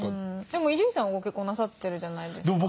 でも伊集院さんはご結婚なさってるじゃないですか。